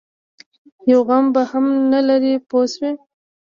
یو غم به هم نه لري پوه شوې!.